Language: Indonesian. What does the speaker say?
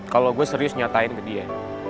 kalau gue serius nyatain ke dia